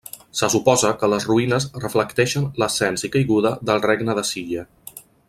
Se suposa que les ruïnes reflecteixen l'ascens i caiguda del regne de Silla.